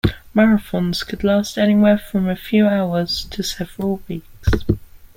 Marathons could last anywhere from a few hours to several weeks.